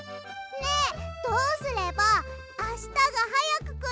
ねえどうすればあしたがはやくくるの？